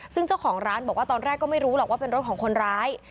ซึ่งเจ้าของร้านบอกว่าตอนแรกก็ไม่รู้หรอกว่าเป็นรถของคนร้าย